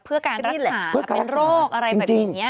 เพื่อการรักษาเป็นโรคอะไรแบบนี้